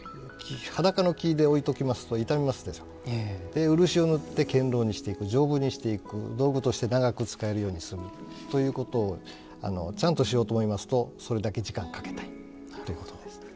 で漆を塗って堅ろうにしていく丈夫にしていく道具として長く使えるようにするということをちゃんとしようと思いますとそれだけ時間かけたいということです。